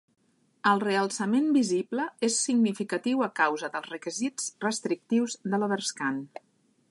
El realçament visible és significatiu a causa dels requisits restrictius de l'overscan.